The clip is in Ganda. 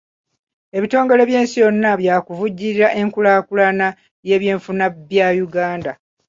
Ebitongole by'ensi yonna bya kuvujjirira enkulaakulana y'ebyenfuna bya Uganda.